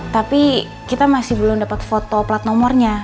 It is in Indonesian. tapi kita masih belum dapat foto plat nomornya